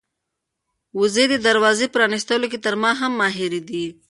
وزې د دروازې په پرانيستلو کې تر ما هم ماهرې دي.